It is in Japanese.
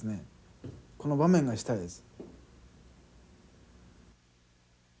この場面がしたいです。